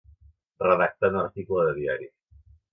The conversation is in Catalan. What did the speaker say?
Redactar un article de diari.